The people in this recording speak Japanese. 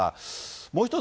もう一つ